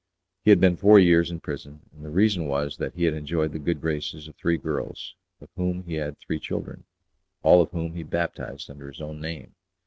He had been four years in prison, and the reason was that he had enjoyed the good graces of three girls, of whom he had three children, all of whom he baptized under his own name.